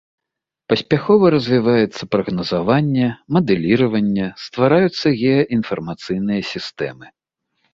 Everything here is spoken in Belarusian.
Паспяхова развіваецца прагназаванне, мадэліраванне, ствараюцца геаінфармацыйныя сістэмы.